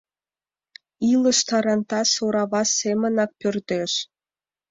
Илыш тарантас орава семынак пӧрдеш.